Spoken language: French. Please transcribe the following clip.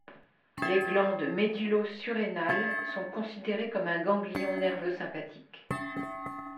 Les glandes médullosurrénales sont considérées comme un ganglion nerveux sympathique.